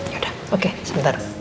yaudah oke sebentar